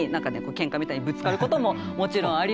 ケンカみたいにぶつかることももちろんありましたし。